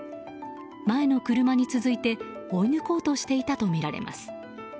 前の車に続いて追い抜こうとしていたとみられます。